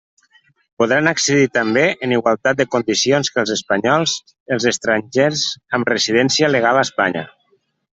Podran accedir també, en igualtat de condicions que els espanyols, els estrangers amb residència legal a Espanya.